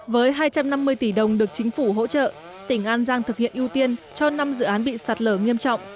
với hai trăm năm mươi tỷ đồng được chính phủ hỗ trợ tỉnh an giang thực hiện ưu tiên cho năm dự án bị sạt lở nghiêm trọng